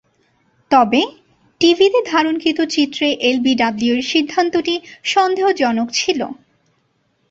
তবে, টিভিতে ধারণকৃত চিত্রে এলবিডব্লিউ’র সিদ্ধান্তটি সন্দেহজনক ছিল।